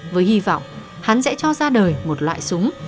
với hy vọng hắn sẽ cho ra đời một loại súng